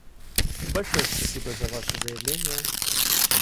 Большое спасибо за ваше заявление.